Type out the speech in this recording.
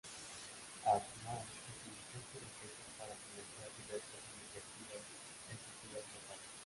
Altman utilizó su riqueza para financiar diversas iniciativas en su ciudad natal.